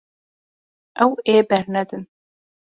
Ew ê bernedin.